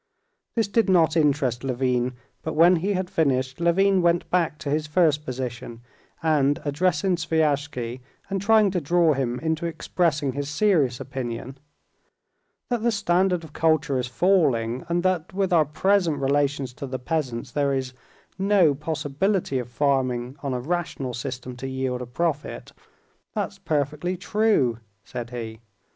This did not interest Levin, but when he had finished, Levin went back to his first position, and, addressing Sviazhsky, and trying to draw him into expressing his serious opinion:— "That the standard of culture is falling, and that with our present relations to the peasants there is no possibility of farming on a rational system to yield a profit—that's perfectly true," said he.